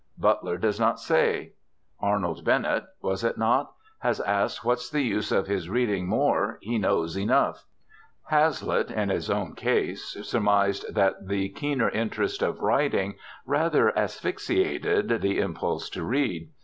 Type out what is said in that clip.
Butler does not say. Arnold Bennett (was it not?) has asked what's the use of his reading more, he knows enough. Hazlitt, in his own case, surmised that the keener interest of writing rather asphyxiated the impulse to read.